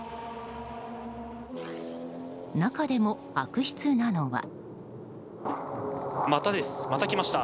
中でも悪質なのは。